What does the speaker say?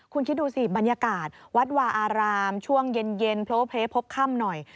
คุณคิดดูสิบรรยากาศวัดวาอารามช่วงเย็นโพลเพลพบค่ำหน่อย